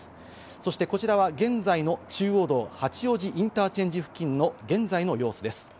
そしてこちらは現在の中央道・八王子インターチェンジ付近の現在の様子です。